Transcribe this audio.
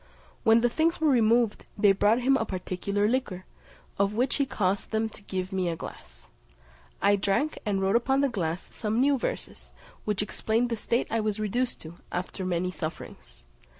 When the things were removed, they brought him a particular liquor, of which he caused them to give me a glass. I drank, and wrote upon the glass some new verses, which explained the state I was reduced to, after many sufferings.